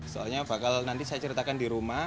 soalnya bakal nanti saya ceritakan di rumah